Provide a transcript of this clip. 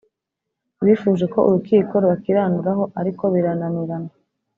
bifuje ko Urukiko rubakiranuraho ariko birananirana